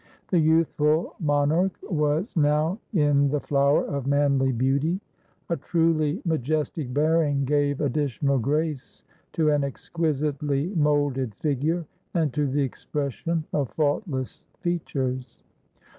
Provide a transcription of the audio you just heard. The youthful monarch was now in the flower of manly beauty. A truly majestic bearing gave additional grace to an exquisitely moulded figure, and to the expression of faultless features.